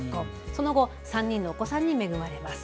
その後、３人のお子さんに恵まれます。